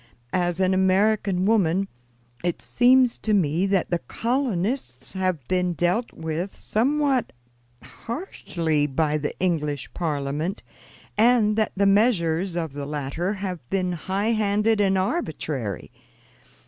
As an American woman, it seems to me that the colonists have been dealt with somewhat hardly by the English Parliament, and that the measures of the latter have been high handed and arbitrary.